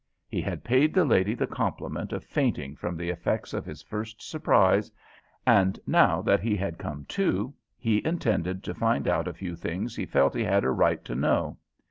He had paid the lady the compliment of fainting from the effects of his first surprise, and now that he had come to he intended to find out a few things he felt he had a right to know.